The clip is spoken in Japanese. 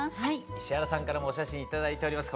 石原さんからもお写真頂いております。